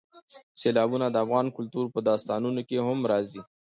سیلابونه د افغان کلتور په داستانونو کې هم راځي.